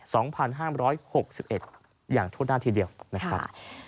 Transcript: สองพันห้ามร้อยหกสิบเอ็ดอย่างทั่วหน้าทีเดียวนะครับ